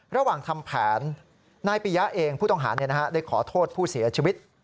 ระหว่างทำแผนนายปียะเองผู้ต้องหาได้ขอโทษผู้เสียชีวิต